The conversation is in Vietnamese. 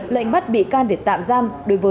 lệnh bắt bị can để tạm giam